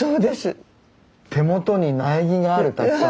手元に苗木があるたくさん。